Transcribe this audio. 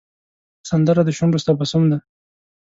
سندره د شونډو تبسم دی